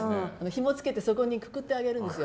ひもつけてそこにくくってあげるんですよ。